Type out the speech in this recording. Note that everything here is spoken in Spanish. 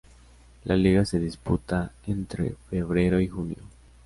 La liga se disputa entre febrero y junio.